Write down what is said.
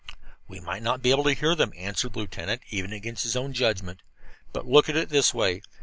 "We might not be able to hear them," answered the lieutenant, even against his own judgment. "But look at it this way.